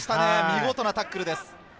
見事なタックルです。